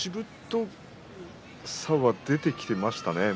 しぶとさが出てきていましたね。